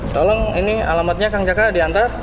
tolong ini alamatnya kang jaka diantar